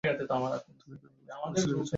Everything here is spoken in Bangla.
তুমি এখানে লাশ পচিয়ে রেখেছ?